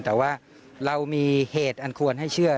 แต่ว่าเรามีเหตุอันควรให้เชื่อ